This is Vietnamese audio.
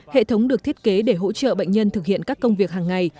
hệ thống được thiết kế để hỗ trợ bệnh nhân thực hiện các công việc hàng ngày